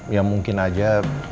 ya mungkin aja